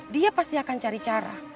dia pasti akan cari cara